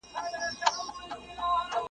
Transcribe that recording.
فیصله وکړه خالق د کایناتو ,